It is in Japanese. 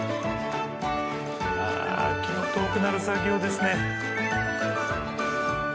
ああ気が遠くなる作業ですね。